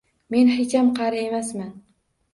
Мen hecham qari emasman.